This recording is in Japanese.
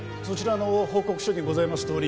そちらの報告書にございます